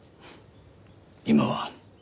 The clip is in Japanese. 今は。